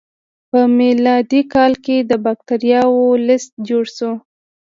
په میلادي کال کې د بکتریاوو لست جوړ شو.